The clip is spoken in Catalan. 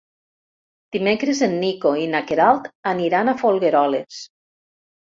Dimecres en Nico i na Queralt aniran a Folgueroles.